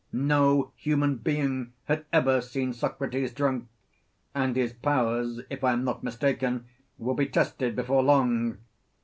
no human being had ever seen Socrates drunk; and his powers, if I am not mistaken, will be tested before long.